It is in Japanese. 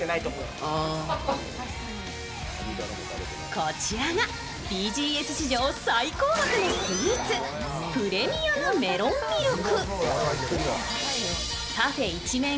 こちらがＢＧＳ史上最高額のスイーツ、プレミアムめろんみるく。